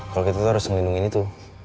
kalo gitu harus ngelindungin itu